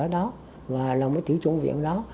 đó là một chủ trung viện đó